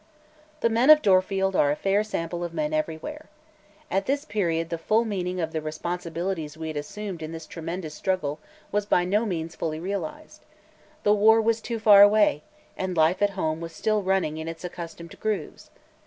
The men of Dorfield are a fair sample of men everywhere. At this period the full meaning of the responsibilities we had assumed in this tremendous struggle was by no means fully realized. The war was too far away, and life at home was still running in its accustomed grooves.